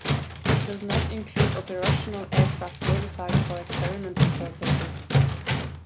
Does not include operational aircraft modified for experimental purposes.